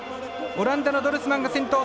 オランダのドルスマンが先頭。